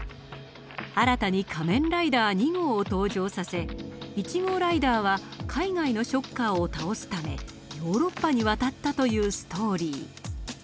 新たに仮面ライダー２号を登場させ１号ライダーは海外のショッカーを倒すためヨーロッパに渡ったというストーリー。